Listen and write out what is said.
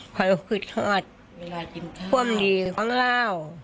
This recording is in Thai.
พร่อมดีทั้งราว